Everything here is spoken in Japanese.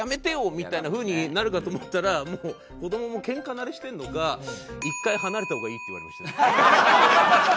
みたいな風になるかと思ったら子どももけんか慣れしてるのか「１回離れた方がいい」って言われましたね。